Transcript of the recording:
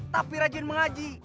tapi rajin mengaji